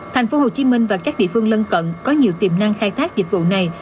thành phố hồ chí minh và các địa phương lân cận có nhiều tiềm năng khai thác dịch vụ này